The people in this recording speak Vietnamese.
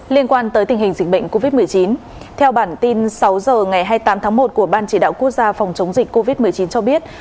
liên quan tới tình hình dịch bệnh covid một mươi chín theo bản tin sáu h ngày hai mươi tám tháng một của ban chỉ đạo quốc gia phòng chống dịch covid một mươi chín cho biết